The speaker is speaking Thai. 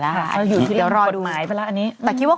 แต่คิดว่าคงไม่ยืดเยอะ